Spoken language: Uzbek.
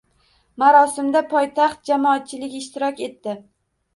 Marosimda poytaxt jamoatchiligi ishtirok etdi.